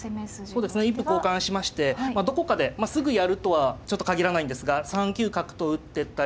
そうですね一歩交換しましてまあどこかですぐやるとは限らないんですが３九角と打ってったり